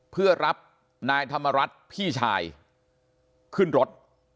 เพื่อรับนายธรรมรัฐพี่ชายขึ้นรถ